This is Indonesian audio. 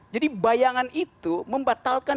jadi bayangan itu membatalkan